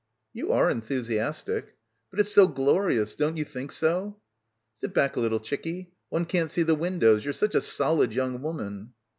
"You are enthusiastic." "But it's so glorious. Don't you think so? "Sit back a little, chickie. One can't see the windows. You're such a solid young woman."